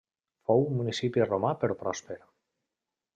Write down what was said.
Fou un municipi romà però pròsper.